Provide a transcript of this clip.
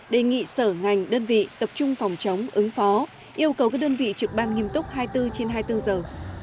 đề nghị sở ngành đơn vị tập trung phòng chống ứng phó yêu cầu các đơn vị trực ban nghiêm túc hai mươi bốn trên hai mươi bốn giờ